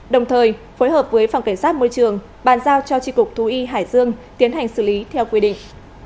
đồng thời phối hợp với phòng cảnh sát môi trường bàn giao cho tri cục thú y hải dương tiến hành xử lý theo quy định